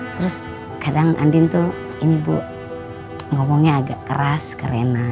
terus kadang andiin tuh ngomongnya agak keras ke reina